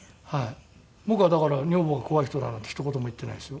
僕はだから女房が怖い人だなんてひと言も言ってないですよ。